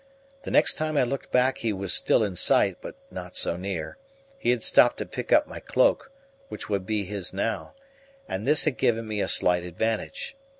The next time I looked back he was still in sight, but not so near; he had stopped to pick up my cloak, which would be his now, and this had given me a slight advantage.